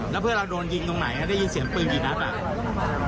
แล้วเพื่อนเราโดนยิงตรงไหนได้ยินเสียงปืนอยู่หน้าปาก